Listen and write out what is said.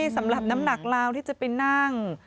สำหรับน้ำหนักลาวที่จะไปนั่ง